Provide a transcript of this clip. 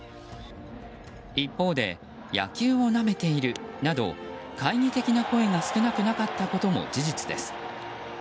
一方で野球をなめているなど懐疑的な声が少なくなかったことも事実です。